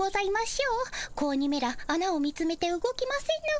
子鬼めらあなを見つめて動きませぬ。